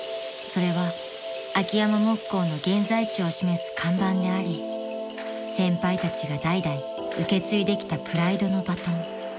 ［それは秋山木工の現在地を示す看板であり先輩たちが代々受け継いできたプライドのバトン］